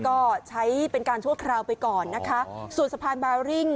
ก็ใช้เป็นการชั่วคราวไปก่อนนะคะส่วนสะพานบาริ่ง